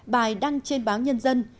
bài đăng trên báo nhân dân